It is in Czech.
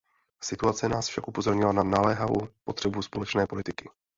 Situace nás však upozornila na naléhavou potřebu společné politiky.